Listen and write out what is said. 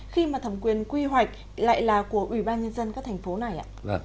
khi mà thẩm quyền quy hoạch lại là của ủy ban nhân dân các thành phố này ạ